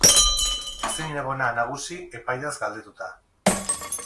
Ezinegona nagusi epaiaz galdetuta.